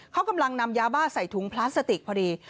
เขากำลังนำยาบ้าใส่ถุงพลาสติกพอดี